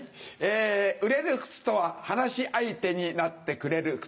売れる靴とは話し相手になってくれる靴。